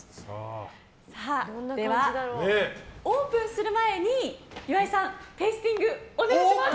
では、オープンする前に岩井さんテイスティングお願いします。